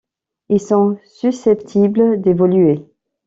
Ils sont susceptibles d'évoluer.